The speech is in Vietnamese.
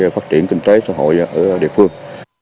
phục vụ cho phát triển kinh tế xã hội ở địa phương